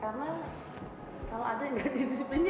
kalau ada yang gak disiplin